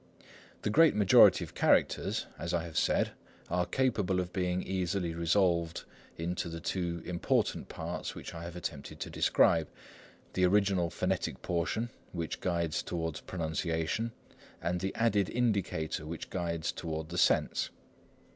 The great majority of characters, as I have said, are capable of being easily resolved into the two important parts which I have attempted to describe—the original phonetic portion, which guides toward pronunciation, and the added indicator, which guides toward the sense.